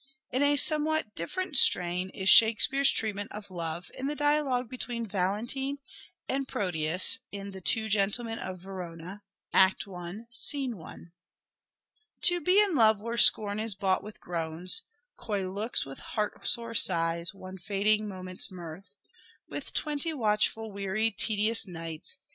Love's In a somewhat different strain is " Shakespeare's " treatment of Love in the dialogue between Valentine and Proteus in " The Two Gentlemen of Verona " (I. i) : "To be in love where scorn is bought with groans, Coy looks with heart sore sighs, one fading moment's mirth With twenty watchful weary tedious nights.